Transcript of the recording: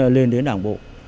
lên đến đảng bộ